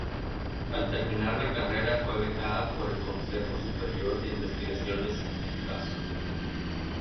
Al terminar la carrera fue becada por el Consejo Superior de Investigaciones Científicas.